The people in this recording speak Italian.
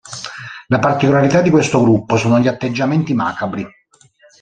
La particolarità di questo gruppo sono gli atteggiamenti macabri.